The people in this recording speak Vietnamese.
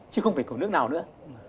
chứ không phải của nước nào nữa